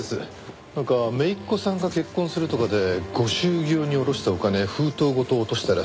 なんか姪っ子さんが結婚するとかでご祝儀用に下ろしたお金封筒ごと落としたらしく。